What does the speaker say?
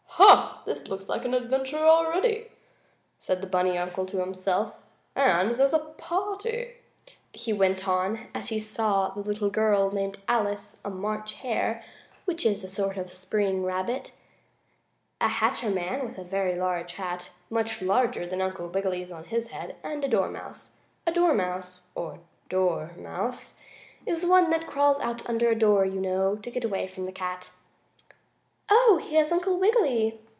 "Ha! This looks like an adventure already!" said the bunny uncle to himself. "And there's a party," he went on, as he saw the little girl named Alice, a March Hare (which is a sort of spring rabbit), a hatter man, with a very large hat, much larger than Uncle Wiggily's, on his head, and a dormouse. A dormouse (or doormouse) is one that crawls out under a door, you know, to get away from the cat. "Oh, here's Uncle Wiggily!"